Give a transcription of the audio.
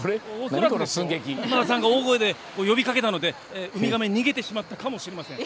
恐らくですよ、今田さんが大声で呼びかけたのでウミガメ逃げてしまったかもしれません。